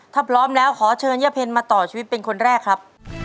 ถ้าพร้อมแล้วขอเชิญย่าเพ็ญมาต่อชีวิตเป็นคนแรกครับ